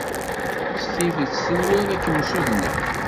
S tidet tenwiḍ ad kem-ssudneɣ?